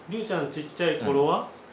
ちっちゃい頃は？